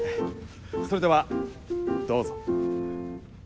それではどうぞ。